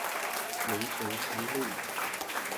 明誠三路